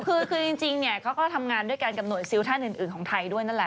คือจริงเนี่ยเขาก็ทำงานด้วยกันกับหน่วยซิลท่านอื่นของไทยด้วยนั่นแหละ